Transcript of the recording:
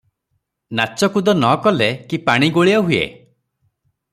ନାଚକୁଦ ନ କଲେ କି ପାଣି ଗୋଳିଆ ହୁଏ?